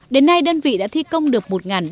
đến nay đơn vị đã thi công được